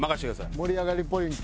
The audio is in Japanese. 盛り上がりポイント。